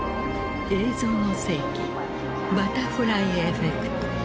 「映像の世紀バタフライエフェクト」。